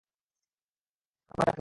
আমার মনে হয় না কেউ করবে।